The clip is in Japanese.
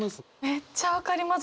めっちゃ分かります。